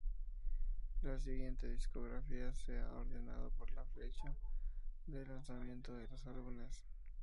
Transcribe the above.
La siguiente discografía se ha ordenado por la fecha de lanzamiento de los álbumes.